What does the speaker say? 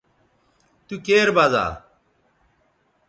تو کیر بزا